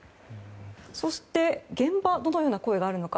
そして現場どのような声があるのか。